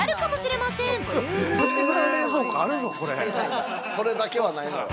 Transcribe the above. ◆ないない、それだけはないのよ。